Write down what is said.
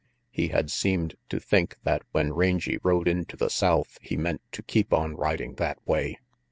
He had seemed to think that when Rangy rode into the south he meant to keep on riding that way.